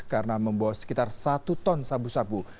karena membawa sekitar satu ton sabu sabu